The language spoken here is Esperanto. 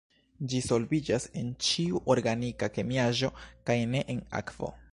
Ĝi solviĝas en ĉiu organika kemiaĵo kaj ne en akvo.